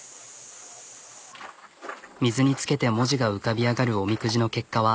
水につけて文字が浮かび上がるおみくじの結果は。